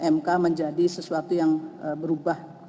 mk menjadi sesuatu yang berubah